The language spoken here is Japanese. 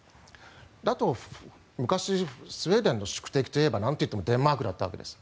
あと、昔スウェーデンの宿敵といえばなんといってもデンマークだったわけです。